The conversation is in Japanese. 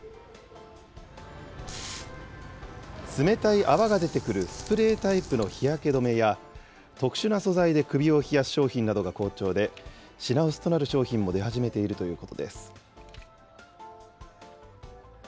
冷たい泡が出てくるスプレータイプの日焼け止めや、特殊な素材で首を冷やす商品などが好調で、品薄となる商品も出始めているということです。